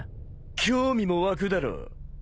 興味も湧くだろ？